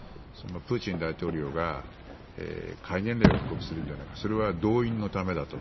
プーチン大統領が戒厳令を布告するのではないかそれは動員のためだと。